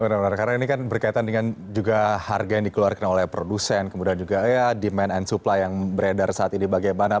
benar benar karena ini kan berkaitan dengan juga harga yang dikeluarkan oleh produsen kemudian juga ya demand and supply yang beredar saat ini bagaimana